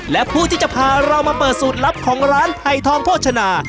และผู้ที่จะพาเรามาเปิดสูตรลับของร้านไผ่ทองโภชนา